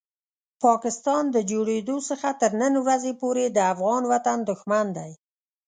پاکستان د جوړېدو څخه تر نن ورځې پورې د افغان وطن دښمن دی.